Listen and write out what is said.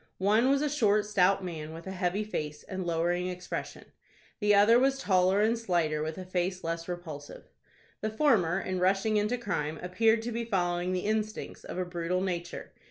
One was a short, stout man, with a heavy face and lowering expression; the other was taller and slighter, with a face less repulsive. The former, in rushing into crime, appeared to be following the instincts of a brutal nature.